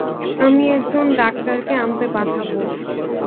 আমি একজন ডাক্তারের আনতে পাঠাবো।